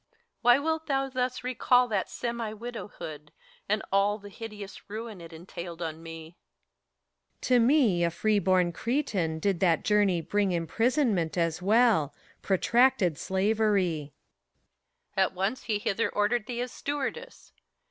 HELENA. Why wilt thou thus recall that semi widowhood, And all the hideous ruin it entailed on met PHORKYAS. To me, a free born Cretan, did that journey bring Imprisonment, as well, — protracted slavery. HELENA. At once he hither ordered thee as stewardess.